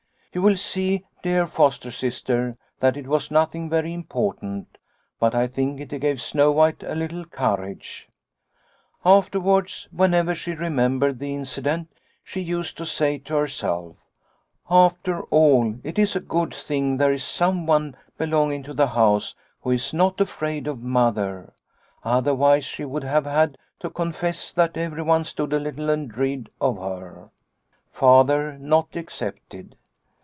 You will see, dear foster sister, that it was nothing very important, but I think it gave Snow White a little courage. Afterwards, when ever she remembered the incident, she used to 64 Liliecrona's Home say to herself, ' After all, it is a good thing there is someone belonging to the house who is not afraid of Mother/ Otherwise she would have had to confess that everyone stood a little in dread of her, her Father not excepted.